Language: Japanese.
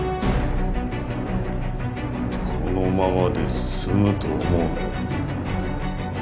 このままで済むと思うなよ。